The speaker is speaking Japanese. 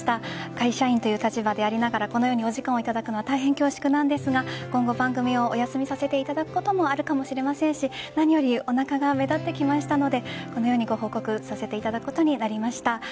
会社員という立場でありながらこのようにお時間を頂くのは大変恐縮なんですが今後、番組をお休みさせていただくこともあるかもしれませんし何よりおなかが目立ってきましたのでこのようにご報告させていただくことになりました。